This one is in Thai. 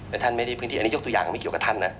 และท่านไม่ได้พื้นที่อันนี้ยกตัวอย่างไม่เกี่ยวกับท่านนะ